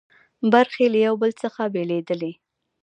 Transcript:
برخې له یو بل څخه بېلېدلې.